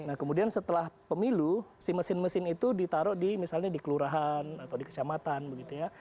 nah kemudian setelah pemilu si mesin mesin itu ditaruh di misalnya di kelurahan atau di kecamatan begitu ya